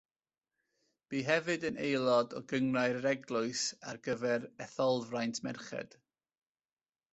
Bu hefyd yn aelod o Gynghrair yr Eglwys ar gyfer Etholfraint Merched.